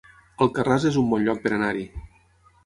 Alcarràs es un bon lloc per anar-hi